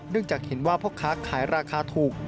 จากเห็นว่าพ่อค้าขายราคาถูก